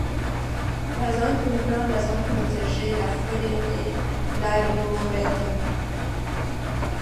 La zone comprend la zone protégée, la forêt et l'arboretum.